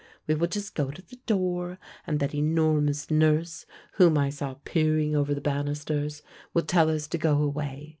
We will just go to the door, and that enormous nurse whom I saw peering over the banisters, will tell us to go away.